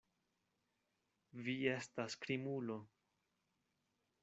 Vi estas krimulo.